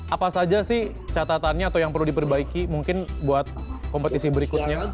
apa saja sih catatannya atau yang perlu diperbaiki mungkin buat kompetisi berikutnya